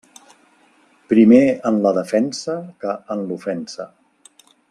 Primer en la defensa que en l'ofensa.